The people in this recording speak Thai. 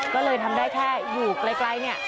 ก็เลยทำได้แค่อยู่ไกลเนี่ย